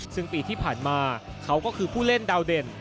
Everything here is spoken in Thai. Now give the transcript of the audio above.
ซึ่งปีที่ผ่านมาเขาก็คือผู้เล่นดาวเด่น